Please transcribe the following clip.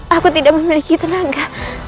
aku tidak memiliki tenaga